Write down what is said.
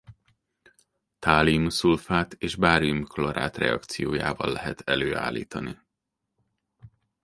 Tallium-szulfát és bárium-klorát reakciójával lehet előállítani.